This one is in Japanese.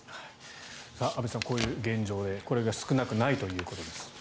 安部さん、こういう現状でこれが少なくないということです。